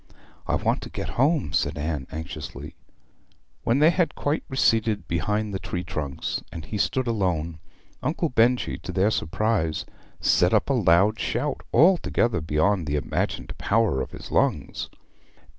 'I want to get home,' said Anne anxiously. When they had quite receded behind the tree trunks and he stood alone, Uncle Benjy, to their surprise, set up a loud shout, altogether beyond the imagined power of his lungs.